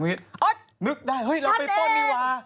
นึกได้เฮ้ยเราไปป้นนี่ว่า